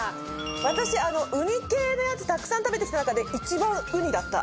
私ウニ系のやつたくさん食べて来た中で一番ウニだった。